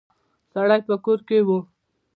سړی په کور کې و.